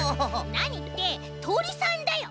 なにってとりさんだよ。